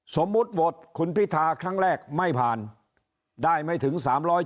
สมมุติโหวตคุณพิธาครั้งแรกไม่ผ่านได้ไม่ถึง๓๗